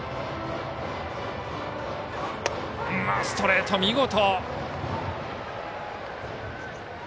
ストレート、見事！